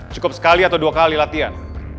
cukup sekali atau dua kali latihan